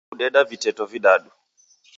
Naichi kudeda viteto vidadu.